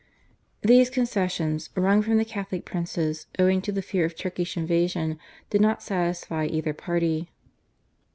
These concessions, wrung from the Catholic princes owing to the fear of Turkish invasion, did not satisfy either party.